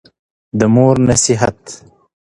د مور نصېحت